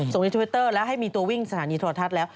ในทวิตเตอร์แล้วให้มีตัววิ่งสถานีโทรทัศน์แล้ว